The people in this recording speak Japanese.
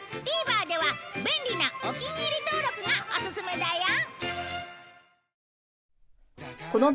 ＴＶｅｒでは便利なお気に入り登録がオススメだよ！